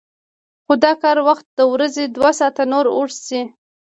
خو د کار وخت د ورځې دوه ساعته نور اوږد شي